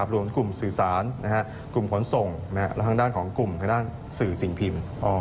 รวมถึงกลุ่มสื่อสารกลุ่มขนส่งและทางด้านของกลุ่มทางด้านสื่อสิ่งพิมพ์